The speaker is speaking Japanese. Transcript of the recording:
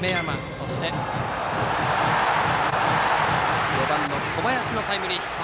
そして、４番の小林のタイムリーヒット。